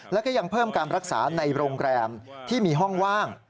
แล้วก็ยังเพิ่มการรักษาในโรงแรมที่มีห้องว่าง